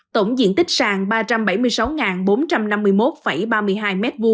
tổng diện tích sàn ba trăm bảy mươi sáu bốn trăm năm mươi một ba mươi hai m hai